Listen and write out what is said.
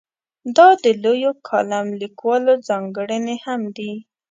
دا د لویو کالم لیکوالو ځانګړنې هم دي.